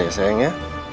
sebentar ya sayang ya